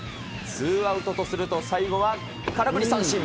ツーアウトとすると、最後は空振り三振。